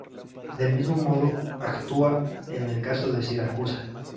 Del mismo modo actúa en el caso de Siracusa.